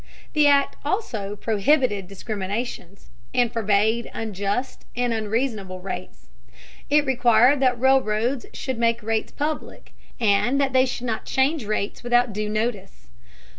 The Act also prohibited discriminations, and forbade unjust and unreasonable rates. It required that railroads should make rates public, and that they should not change rates without due notice.